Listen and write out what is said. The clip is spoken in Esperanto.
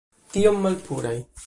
Tiom malpuraj!